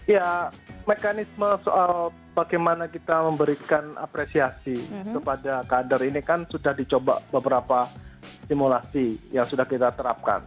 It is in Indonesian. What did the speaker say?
ya mekanisme soal bagaimana kita memberikan apresiasi kepada kader ini kan sudah dicoba beberapa simulasi yang sudah kita terapkan